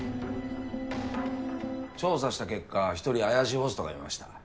調査した結果一人怪しいホストがいました。